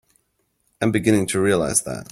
I'm beginning to realize that.